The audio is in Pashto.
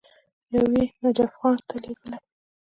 یو یې نجف خان ته لېږلی.